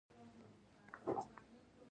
زموږ په نظر د کوټې سیمینار بریالی و.